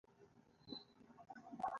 زړه د ذهن او بدن ترمنځ اړیکه لري.